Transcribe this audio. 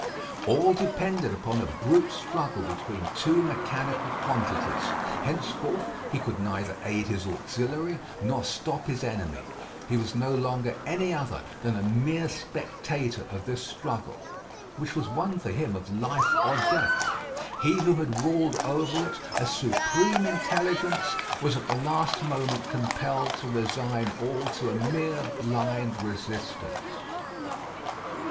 All depended upon a brute struggle between two mechanical quantities. Henceforth he could neither aid his auxiliary, nor stop his enemy. He was no longer any other than a mere spectator of this struggle, which was one for him of life or death. He who had ruled over it, a supreme intelligence, was at the last moment compelled to resign all to a mere blind resistance.